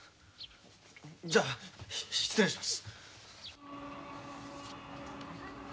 じゃ失礼します。